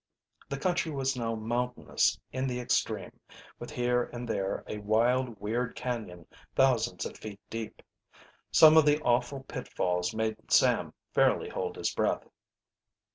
The country was now mountainous in the extreme, with here and there a wild, weird canyon thousands of feet deep. Some of the awful pitfalls made Sam fairly hold his breath.